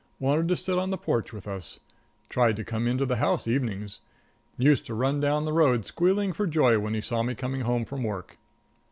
Wanted to sit on the porch with us. Tried to come into the house evenings. Used to run down the road squealing for joy when he saw me coming home from work.